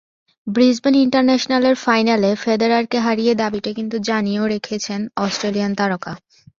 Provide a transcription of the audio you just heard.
Brisbane ইন্টারন্যাশনালের ফাইনালে ফেদেরারকে হারিয়ে দাবিটা কিন্তু জানিয়েও রেখেছেন অস্ট্রেলিয়ান তারকা।